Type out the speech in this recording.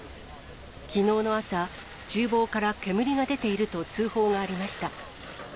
きのうの朝、ちゅう房から煙が出ていると通報がありました。